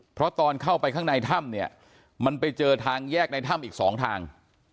เพราะตอนเข้าไปข้างในถ้ำเนี่ยมันไปเจอทางแยกในถ้ำอีกสองทาง